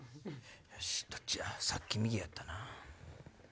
よしどっちやさっき右やったな。